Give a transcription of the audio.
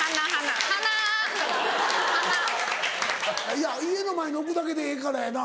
いや家の前に置くだけでええからやな。